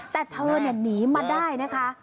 แต่เธอเนี่ยหนีมาได้นะคะ